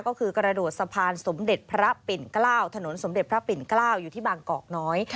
ก็คือกระโดดสะพานสมเด็จพระปิ่นเกล้าวถนนสมเด็จพระปิ่นเกล้าอยู่ที่บางกอกน้อย